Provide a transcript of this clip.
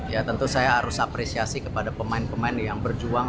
ya tentu saya harus apresiasi kepada pemain pemain yang berjuang